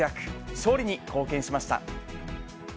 勝利に貢献しました。